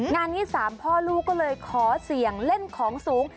งานนี้๓พ่อลูกก็เลยขอเสี่ยงเล่นของสูง